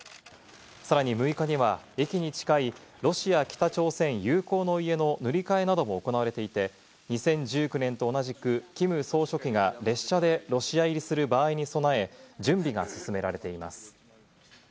さらに６日には、駅に近い、ロシア北朝鮮友好の家の塗り替えなども行われていて、２０１９年と同じく、キム総書記が列車でロシア入りする場合に備え、準備が進められています。